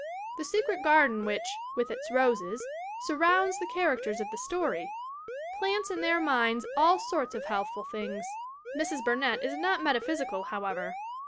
The secret garden which, with its roses, surrounds the characters of the story, plants in their minds all sorts of healthful thoughts. Mrs. Burnett is not metaphysical, however.